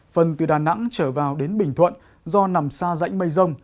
phần từ đà nẵng trở vào đến bình thuận do nằm xa rãnh mây rông